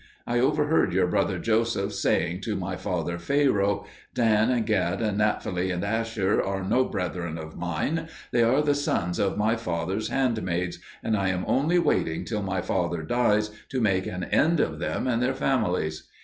I overheard your brother Joseph saying to my father Pharaoh, 'Dan and Gad and Naphtali and Asher are no brethren of mine; they are the sons of my father's handmaids, and I am only waiting till my father dies to make an end of them and their families.